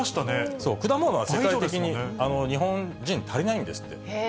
そう、果物は世界的に、日本人、足りないんですって。